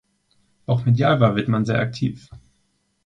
Auch medial war Wittmann sehr aktiv.